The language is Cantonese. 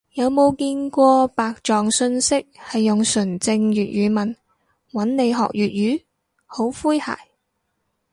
有冇見過白撞訊息係用純正粵語問，搵你學粵語？好詼諧